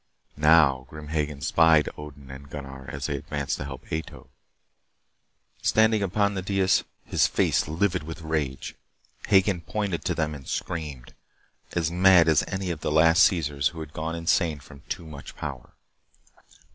Now Grim Hagen spied Odin and Gunnar as they advanced to help Ato. Standing upon the dais, his face livid with rage, Hagen pointed to them and screamed as mad as any of the last Caesars who had gone insane from too much power.